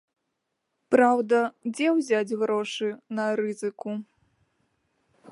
Праўда, дзе ўзяць грошы на рызыку?